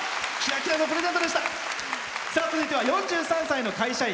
続いては４３歳の会社員。